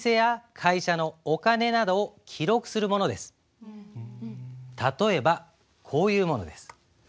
帳簿とは例えばこういうものです。